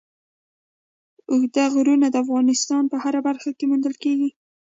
اوږده غرونه د افغانستان په هره برخه کې موندل کېږي.